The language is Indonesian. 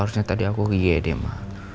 harusnya tadi aku ke igd mah